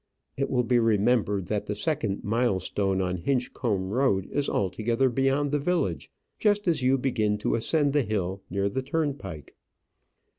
It will be remembered that the second milestone on Hinchcombe Road is altogether beyond the village, just as you begin to ascend the hill near the turnpike.